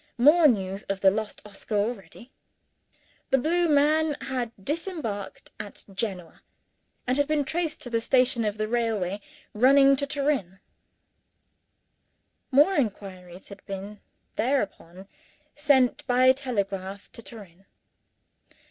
More news of the lost Oscar already! The blue man had disembarked at Genoa; and had been traced to the station of the railway running to Turin. More inquiries had been, thereupon, sent by telegraph to Turin.